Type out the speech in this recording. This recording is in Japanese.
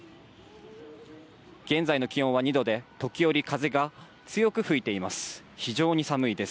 現在の気温は２度で時折、風が強く吹いています。